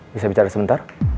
bisa bicara sebentar